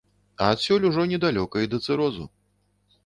А адсюль ужо недалёка і да цырозу.